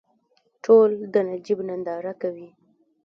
ټول د نجیب ننداره کوي.